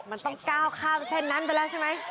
มันต้องก้าวข้ามเส้นนั้นไปแล้วใช่ไหม